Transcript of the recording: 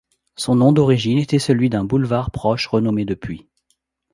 Son nom d'origine était celui d'un boulevard proche renommé depuis.